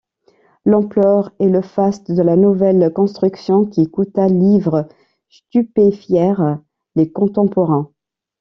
L'ampleur et le faste de la nouvelle construction, qui coûta livres, stupéfièrent les contemporains.